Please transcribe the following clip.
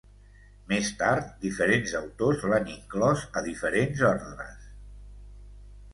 Més tard, diferents autors l'han inclòs a diferents ordres.